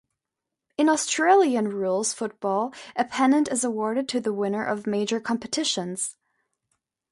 In Australian rules football, a pennant is awarded to the winner of major competitions.